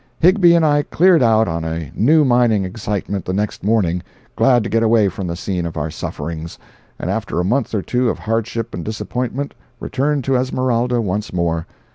Higbie and I cleared out on a new mining excitement the next morning, glad to get away from the scene of our sufferings, and after a month or two of hardship and disappointment, returned to Esmeralda once more.